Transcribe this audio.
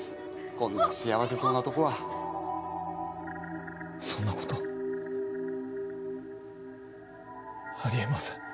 こんな幸せそうなとこはそんなことあり得ません。